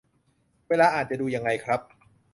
เวลาอ่านจะดูยังไงครับ